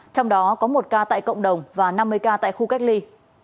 trong đó có một ca tại cộng đồng và năm mươi ca tại khu cách ly